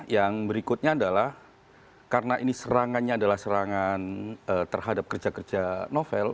yang berikutnya adalah karena ini serangannya adalah serangan terhadap kerja kerja novel